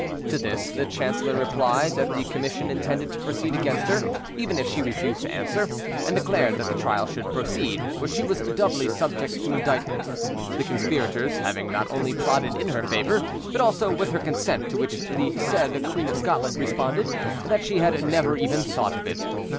To this the chancellor replied that the commission intended to proceed against her, even if she refused to answer, and declared that the trial should proceed; for she was doubly subject to indictment, the conspirators having not only plotted in her favour, but also with her consent: to which the said Queen of Scotland responded that she had never even thought of it.